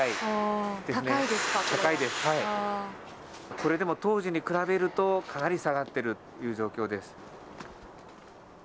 これでも当時に比べると、かなり下がっているという状況です。